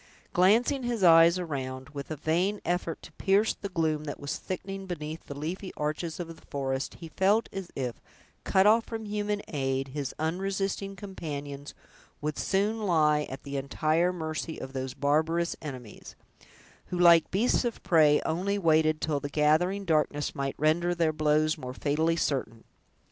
Glancing his eyes around, with a vain effort to pierce the gloom that was thickening beneath the leafy arches of the forest, he felt as if, cut off from human aid, his unresisting companions would soon lie at the entire mercy of those barbarous enemies, who, like beasts of prey, only waited till the gathering darkness might render their blows more fatally certain.